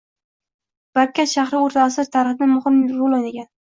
Barkat shahri o‘rta asr tarixida muhim rol o‘ynagan.